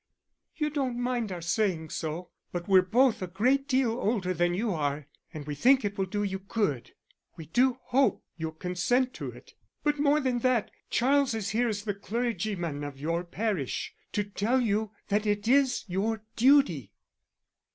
You don't mind our saying so, but we're both a great deal older than you are, and we think it will do you good. We do hope you'll consent to it; but, more than that, Charles is here as the clergyman of your parish, to tell you that it is your duty."